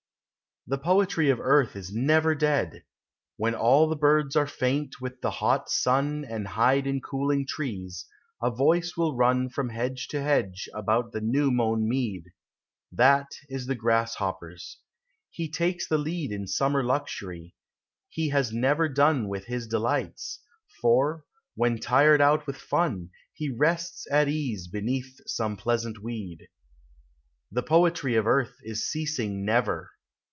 The poetry of earth is never dead ; When all the birds are faint with the hot sun And hide in cooling trees, a voice will run From hedge to hedge about the new mown mead. That is the grasshopper's, — he takes the lead In summer luxury, — he has never done With his delights; for, when tired out with fun, He rests at ease beneath some pleasant weed. The poetry of earth is ceasing never.